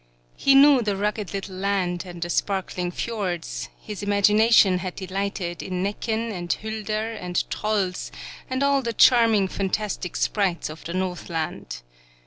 He knew the rugged little land and the sparkling fiords; his imagination had delighted in Necken and Hulder and trolls, and all the charming fantastic sprites of the Northland.